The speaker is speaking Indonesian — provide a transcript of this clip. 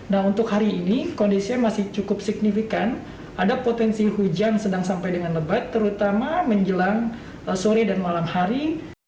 nah untuk hari ini kondisinya masih cukup signifikan ada potensi hujan sedang sampai dengan lebat terutama menjelang sore dan malam hari